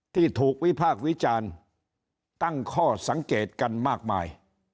ที่ถูกวิพากษ์วิจารณ์ตั้งข้อสังเกตกันมากมาย